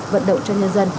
vận động cho nhân dân